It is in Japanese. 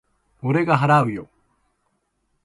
俺が払うよ。